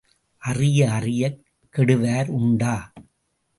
அறிய அறியக் கெடுவார் உண்டா?